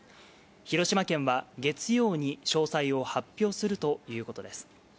広島県は月曜日に詳細を発表するということです。